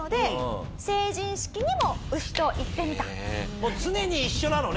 もう常に一緒なのね？